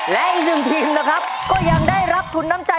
และอีกหนึ่งทีมนะครับก็ยังได้รับทุนน้ำใจ